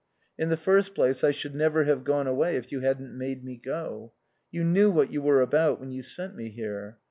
In the first place, I should never have gone away if you hadn't made me go. You knew what you were about when you sent me here.